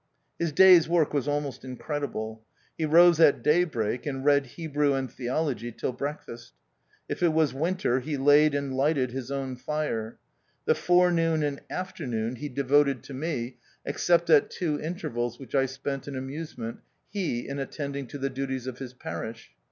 His day's work was almost incredible. He rose at daybreak, and read Hebrew and theology till breakfast : if it was winter, he laid and lighted his own fire. The forenoon and afternoon he THE OUTCAST. 55 devoted to me, except at two intervals which I spent in amusement, he in attend ing to the duties of his parish.